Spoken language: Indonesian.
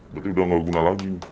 berarti udah nggak guna lagi